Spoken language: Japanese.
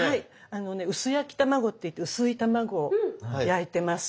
あのね薄焼き卵っていって薄い卵を焼いてます。